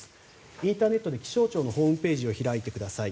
インターネットで気象庁のホームページを開いてください。